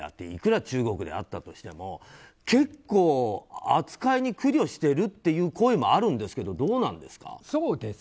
いくら中国であったとしても結構、扱いに苦慮してるという声もあるんですけどどうなんですか？